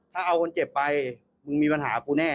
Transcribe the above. ถ้าเอาคนเจ็บไปมึงมีปัญหากูแน่